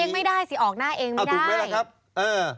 ไม่หรอกหาเองไม่ได้สิออกหน้าเองไม่ได้